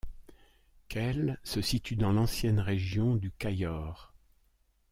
Kelle se situe dans l'ancienne région du Cayor.